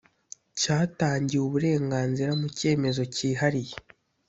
cyatangiwe uburenganzira mu cyemezo cyihariye